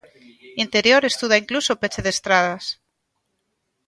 Interior estuda incluso peche de estradas.